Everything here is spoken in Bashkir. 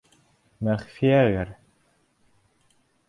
Мәғфиә ғәр.